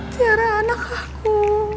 tiara anak aku